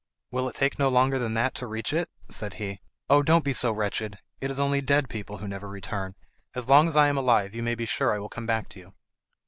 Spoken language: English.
"Will it take no longer than that to reach it?" said he. "Oh, don't be so wretched; it is only dead people who never return. As long as I am alive you may be sure I will come back to you."